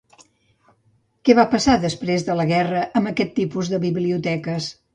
Què va passar, després de la guerra, amb aquest tipus de biblioteques?